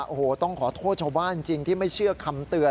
โอ้โหต้องขอโทษชาวบ้านจริงที่ไม่เชื่อคำเตือน